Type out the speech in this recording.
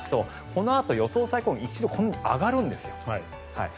このあと予想最高気温一度、上がるんですよ。